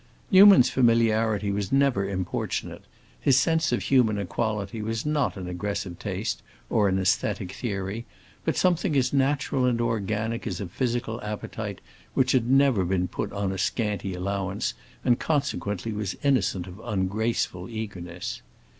Newman's familiarity was never importunate; his sense of human equality was not an aggressive taste or an æsthetic theory, but something as natural and organic as a physical appetite which had never been put on a scanty allowance and consequently was innocent of ungraceful eagerness.